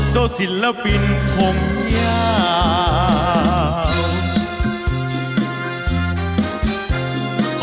เจ้าศิลปินของยาก